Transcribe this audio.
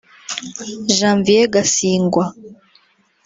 Janvier Gasingwa